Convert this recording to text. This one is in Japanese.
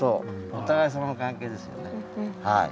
お互いさまの関係ですよねはい。